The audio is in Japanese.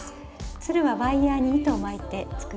つるはワイヤーに糸を巻いて作っています。